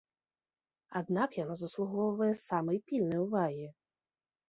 Аднак яна заслугоўвае самай пільнай увагі.